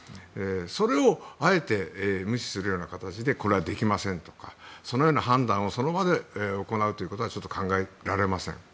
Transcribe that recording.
それをあえて無視するような形でこれはできませんとかそのような判断をその場で行うことは考えられません。